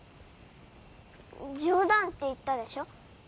「冗談」って言ったでしょ？